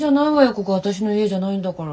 ここ私の家じゃないんだから。